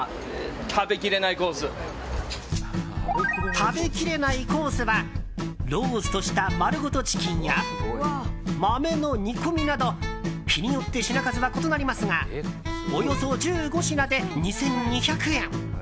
食べきれないコースはローストした丸ごとチキンや豆の煮込みなど日によって品数は異なりますがおよそ１５品で２２００円。